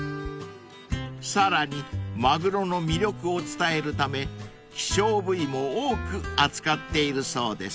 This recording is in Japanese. ［さらにマグロの魅力を伝えるため希少部位も多く扱っているそうです］